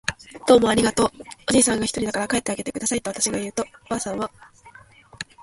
「どうもありがとう。」おじいさんがひとりだから帰ってあげてください。」とわたしが言うと、ばあさんは